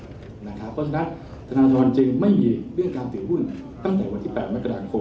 เพราะฉะนั้นธนทรจึงไม่มีเรื่องการถือหุ้นตั้งแต่วันที่๘มกราคม